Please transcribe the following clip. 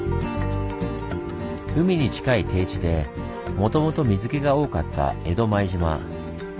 海に近い低地でもともと水けが多かった江戸前島。